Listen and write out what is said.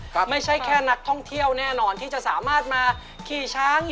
ใครคือขวานชางตัวจริง